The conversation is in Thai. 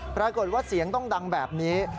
ปรากฏว่าเสียงต้องดังแบบนี้